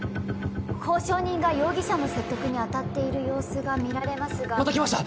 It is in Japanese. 交渉人が容疑者の説得にあたっている様子が見られますがまた来ました